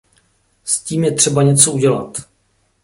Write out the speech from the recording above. S tím je třeba něco udělat.